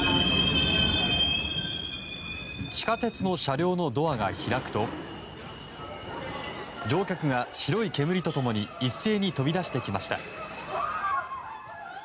地下鉄の車両のドアが開くと乗客が白い煙と共に一斉に飛び出してきました。